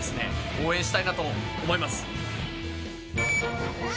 応援したいなと思います。